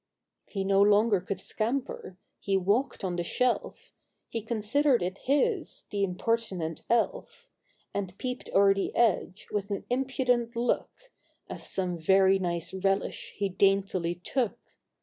He no longer could scamper — he walked on the shelf — He considered it his, the impertinent elf; And peeped o'er the edge, with an impudent look, As some very nice relish he daintily took.